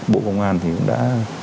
bộ công an thì cũng đã